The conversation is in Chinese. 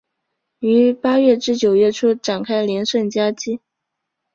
于八月至九月初展开连胜佳绩。